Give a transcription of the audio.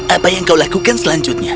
apa yang kau lakukan selanjutnya